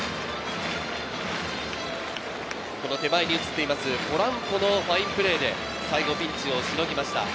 手前に映っています、ポランコのファインプレーで最後ピンチをしのぎました。